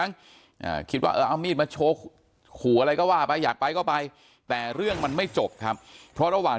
อ่าคิดว่าเออเอามีดมาโชว์ขู่อะไรก็ว่าไปอยากไปก็ไปแต่เรื่องมันไม่จบครับเพราะระหว่าง